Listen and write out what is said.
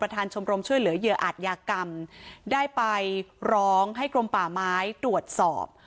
ชมรมช่วยเหลือเหยื่ออาจยากรรมได้ไปร้องให้กรมป่าไม้ตรวจสอบ